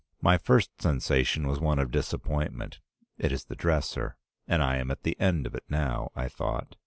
My first sensation was one of disappointment. 'It is the dresser, and I am at the end of it now,' I thought.